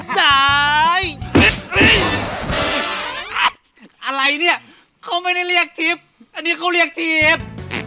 สายยยยอิ๊อะไรเนี้ยเขามันไม่เรียกทริพย์อันนี้เขาเรียกถีบ